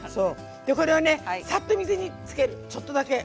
これをねさっと水につけるちょっとだけ。